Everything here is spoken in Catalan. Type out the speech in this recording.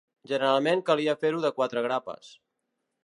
Generalment calia fer-ho de quatre grapes.